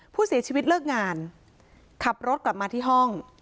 ผู้เสียชีวิตเลิกงานขับรถกลับมาที่ห้อง